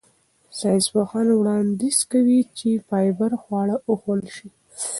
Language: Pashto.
ساینسپوهان وړاندیز کوي چې فایبر خواړه وخوړل شي.